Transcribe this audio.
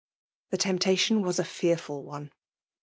The temptation was a fearful one